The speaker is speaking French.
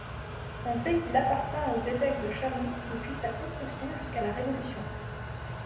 On sait qu'il appartint aux évêques de Chalon depuis sa construction jusqu'à la Révolution.